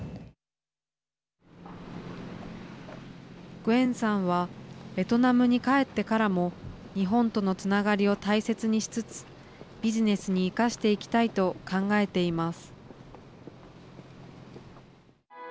グエンさんはベトナムに帰ってからも日本とのつながりを大切にしつつビジネスに生かしていきたいと考えています。